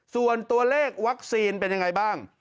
ส่วนตัวเลขวัคซีนเป็นยังไงบ้าง